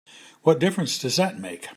What difference does that make?